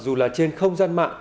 dù là trên không gian mạng